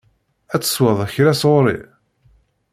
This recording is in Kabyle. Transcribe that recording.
Ad tesweḍ kra sɣur-i?